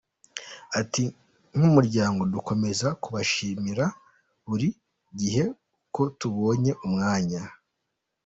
Ati"Nk’umuryango dukomeza kubashimira buri gihe uko tubonye umwanya.